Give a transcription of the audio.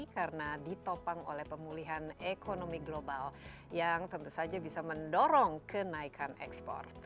karena ditopang oleh pemulihan ekonomi global yang tentu saja bisa mendorong kenaikan ekspor